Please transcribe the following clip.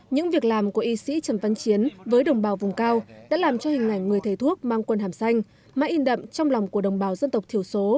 những việc làm của y sĩ trầm văn chiến với đồng bào vùng cao đã làm cho hình ảnh người thầy thuốc mang quần hàm xanh mãi in đậm trong lòng của đồng bào dân tộc thiểu số